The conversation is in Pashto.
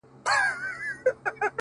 o گراني شاعري دغه واوره ته ـ